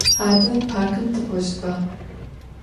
Ade parkım tık'oştba?